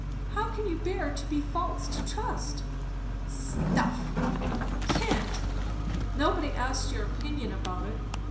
How can you bear to be false to trust?" "Stuff!" "Cant!" "Nobody asks your opinion about it.